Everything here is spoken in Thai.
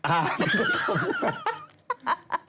อ่า